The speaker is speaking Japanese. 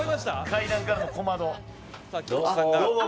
「階段からの小窓」どうも。